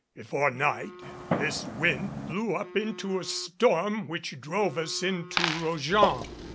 Before night, this wind blew up into a storm which drove us into Rojan.